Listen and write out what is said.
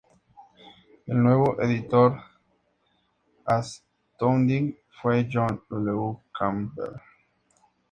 El nuevo editor de "Astounding" fue John W. Campbell, Jr.